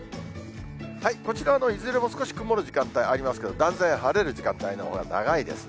こちらはいずれも少し曇る時間帯ありますけど、断然晴れる時間帯のほうが長いですね。